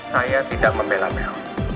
saya tidak membela mel